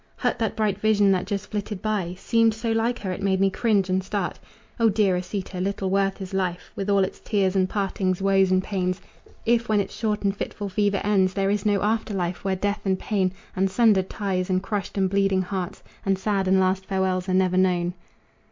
Hut that bright vision that just flitted by Seemed so like her it made me cringe and start. O dear Asita, little worth is life, With all its tears and partings, woes and pains, If when its short and fitful fever ends There is no after life, where death and pain, And sundered ties, and crushed and bleeding hearts, And sad and last farewells are never known."